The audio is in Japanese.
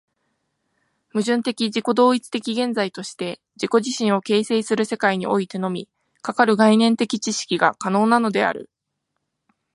矛盾的自己同一的現在として自己自身を形成する世界においてのみ、かかる概念的知識が可能なのである。